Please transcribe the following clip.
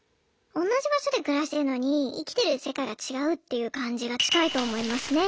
おんなじ場所で暮らしてんのに生きてる世界が違うっていう感じが近いと思いますね。